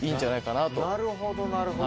なるほどなるほど。